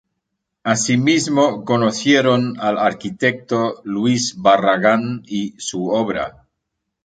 Asimismo, conocieron al arquitecto Luis Barragán y su obra.